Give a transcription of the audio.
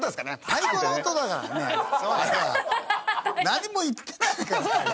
何も言ってないから。